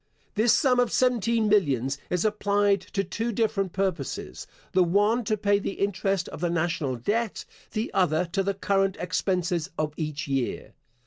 This sum of seventeen millions is applied to two different purposes; the one to pay the interest of the National Debt, the other to the current expenses of each year.